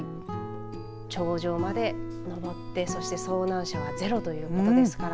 頂上まで登って、そして遭難者はゼロということですから。